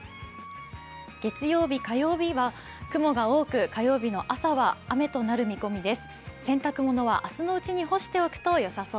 月曜日、火曜日は雲が多く、火曜日の朝は雨となる見込みです。